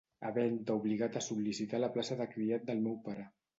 Havent-te obligat a sol·licitar la plaça de criat del meu pare.